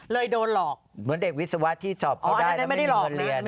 โดนหลอกเหมือนเด็กวิศวะที่สอบเขาได้แล้วไม่มีเงินเรียน